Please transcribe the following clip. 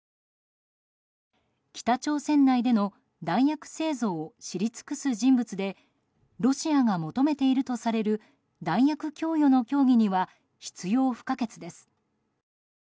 北朝鮮内での弾薬製造を知り尽くす人物でロシアが求めているとされる弾薬供与の協議には必要不可欠です。